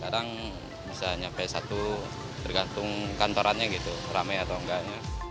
sekarang bisa sampai satu bergantung kantorannya gitu rame atau enggaknya